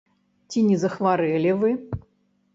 Ці не захварэлі вы?